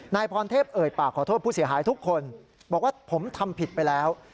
นายพรเทพเอ่ยปากขอโทษผู้เสียหายทุกคนบอกว่าผมทำผิดไปแล้ว